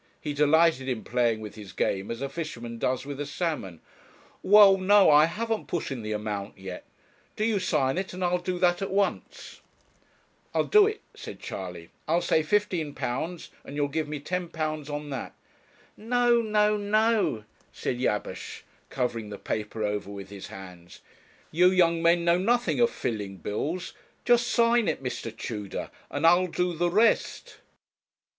He delighted in playing with his game as a fisherman does with a salmon. 'Well no I haven't put in the amount yet. Do you sign it, and I'll do that at once.' 'I'll do it,' said Charley; 'I'll say £15, and you'll give me £10 on that.' 'No, no, no!' said Jabesh, covering the paper over with his hands; 'you young men know nothing of filling bills; just sign it, Mr. Tudor, and I'll do the rest.'